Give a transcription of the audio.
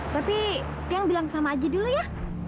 tapi tiang bilang sama aja dulu ya